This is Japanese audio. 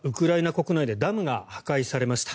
国内でダムが破壊されました。